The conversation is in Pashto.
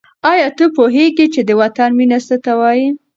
آیا ته پوهېږې چې د وطن مینه څه ته وايي؟